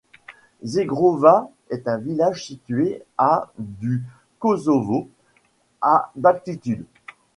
Žegrova est un village situé à du Kosovo, à d'altitude.